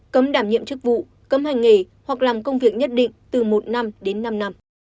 cấm đảm nhiệm chức vụ cấm hành nghề hoặc làm công việc nhất định từ một năm đến năm năm